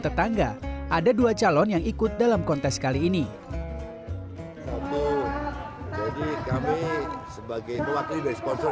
tetangga ada dua calon yang ikut dalam kontes kali ini jadi kami sebagai mewakili dari sponsor